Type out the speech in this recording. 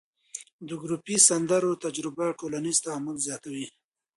د ګروپي سندرو تجربه ټولنیز تعامل زیاتوي.